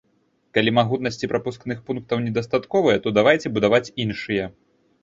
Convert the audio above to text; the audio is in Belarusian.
Калі магутнасці прапускных пунктаў недастатковыя, то давайце будаваць іншыя.